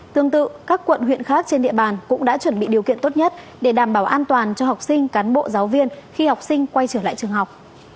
tương tự các quận huyện khác trên địa bàn cũng đã chuẩn bị điều kiện tốt nhất để đảm bảo an toàn cho học sinh cán bộ giáo viên khi học sinh quay trở lại trường học